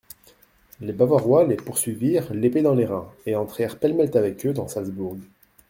Les Bavarois les poursuivirent l'épée dans les reins, et entrèrent pêle-mêle avec eux dans Salzbourg.